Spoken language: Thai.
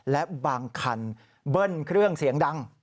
และบางคันเบิ้ลเครื่องเสียงดัง